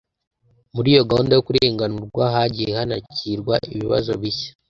Muri iyo gahunda yo kurenganurwa hagiye hanakirwa ibibazo bishya